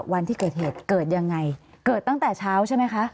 วันที่เกิดเหตุเกิดยังไงเกิดตั้งแต่เช้าใช่ไหมคะ